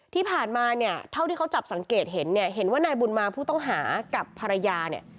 ที่ผ่านมาเนี่ยเท่าที่เขาจับสังเกตเห็นเนี่ยเห็นว่านายบุญมาผู้ต้องหากับภรรยาเนี่ย